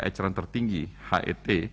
ecaran tertinggi het